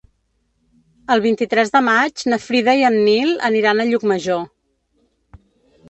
El vint-i-tres de maig na Frida i en Nil aniran a Llucmajor.